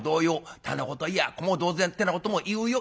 店子といや子も同然ってなことも言うよ。